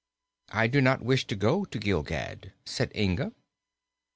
"I do not wish to go to Gilgad," said Inga.